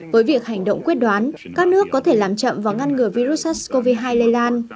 với việc hành động quyết đoán các nước có thể làm chậm và ngăn ngừa virus sars cov hai lây lan